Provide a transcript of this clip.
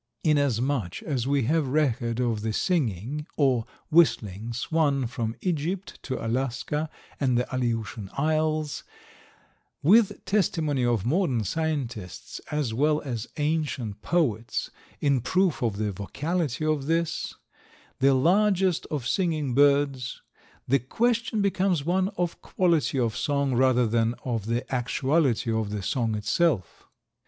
Inasmuch as we have record of the Singing, or Whistling Swan from Egypt to Alaska and the Aleutian Isles, with testimony of modern scientists as well as ancient poets in proof of the vocality of this, the largest of singing birds, the question becomes one of quality of song rather than of the actuality of the song itself.